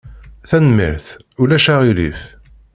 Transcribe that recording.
Tanemmirt. Ulac aɣilif!